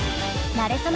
なれそめ！